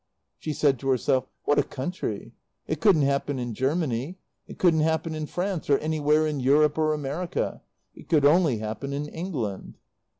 She said to herself "What a country! It couldn't happen in Germany; it couldn't happen in France, or anywhere in Europe or America. It could only happen in England."